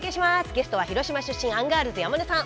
ゲストは広島出身アンガールズ山根さん。